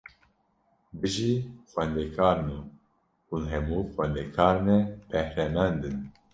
Bijî xwendekarino, hûn hemû xwendekarine behremend in!